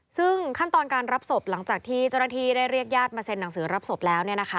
ซึ่งขั้นตอนการรับศพหลังจากที่เจ้าหน้าที่ได้เรียกญาติมาเซ็นหนังสือรับศพแล้ว